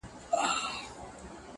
• د بل رهبر وي د ځان هینداره -